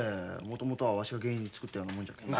もともとはわしが原因作ったようなもんじゃけえ。